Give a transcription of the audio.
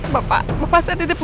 jadi aku gak yang dateng